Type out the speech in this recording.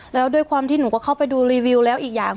แล้วด้วยความที่หนูก็เข้าไปดูรีวิวแล้วอีกอย่าง